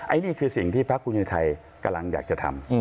ไอ้นี่คือสิ่งที่พระคุณธัยกำลังอยากจะทำ